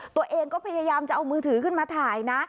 ตัวเองก็พยายามจะเอามือถือขึ้นมาถ่ายนะ